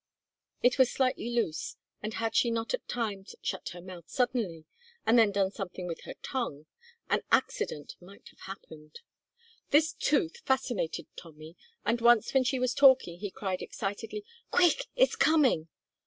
It was slightly loose, and had she not at times shut her mouth suddenly, and then done something with her tongue, an accident might have happened. This tooth fascinated Tommy, and once when she was talking he cried, excitedly, "Quick, it's coming!"